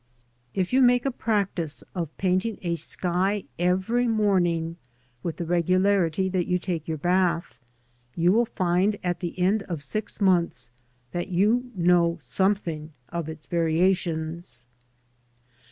IF you make a practice of painting a sky every morning with the regularity that you take your bath, you will find at the end of six months that you know something of its variations.